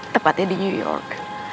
tepatnya di new york